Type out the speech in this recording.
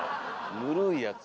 ぬるいやつ。